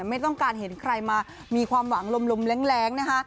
ไม่ต้องการเห็นใครมามีความหวังลมแรงนะคะ